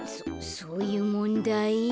そそういうもんだい？